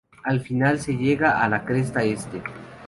Al final se llega a la cresta este.